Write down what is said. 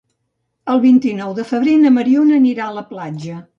El vint-i-nou de febrer na Mariona anirà a la platja.